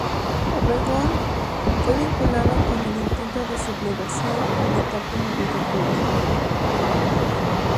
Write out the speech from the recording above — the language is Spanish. Obregón fue vinculado con el intento de sublevación militar promovido por el Gral.